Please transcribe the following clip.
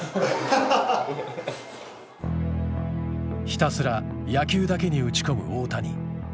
ひたすら野球だけに打ち込む大谷。